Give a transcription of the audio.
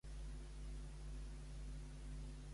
Per què va escriure les seves quedades?